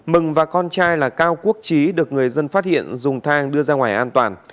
mừng và con trai là cao quốc trí được người dân phát hiện dùng thang đưa ra ngoài an toàn